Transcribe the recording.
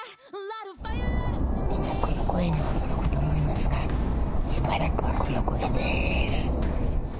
みんな、この声に驚くと思いますが、しばらくはこの声です。